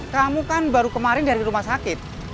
kamu kan baru kemarin dari rumah sakit